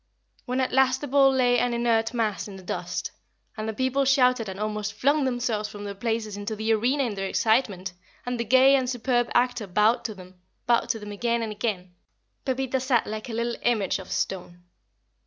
When at last the bull lay an inert mass in the dust, and the people shouted and almost flung themselves from their places into the arena in their excitement, and the gay and superb actor bowed to them bowed to them again and again Pepita sat like a little image of stone.